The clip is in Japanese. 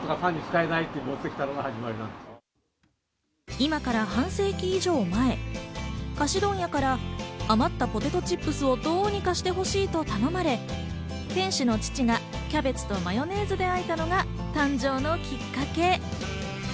今から半世紀以上前、菓子問屋から余ったポテトチップスをどうにかしてほしいと頼まれ、店主の父がキャベツとマヨネーズで和えたものが誕生のきっかけ。